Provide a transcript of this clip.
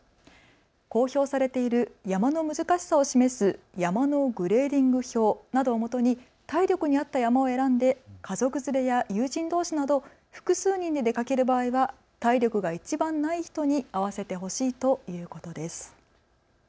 公表されている山の難しさを示す山のグレーディング表などをもとに体力に合った山を選んで家族連れや友人どうしなど複数人で出かける場合は体力がいちばんない人に合わせてほしいということです。